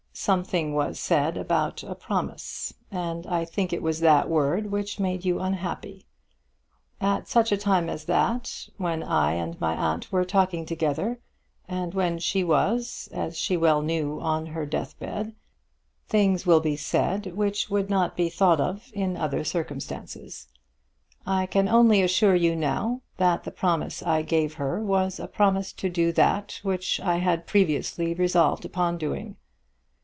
Something was said about a promise, and I think it was that word which made you unhappy. At such a time as that, when I and my aunt were talking together, and when she was, as she well knew, on her deathbed, things will be said which would not be thought of in other circumstances. I can only assure you now, that the promise I gave her was a promise to do that which I had previously resolved upon doing.